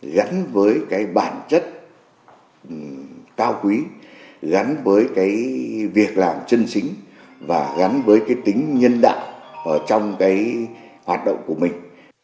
gắn với bản chất cao quý gắn với việc làm chân chính và gắn với tính nhân đạo trong hoạt động của mình